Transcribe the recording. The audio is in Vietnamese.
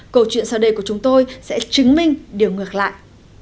câu chuyện sau đây của chúng tôi sẽ chứng minh điều ngược lại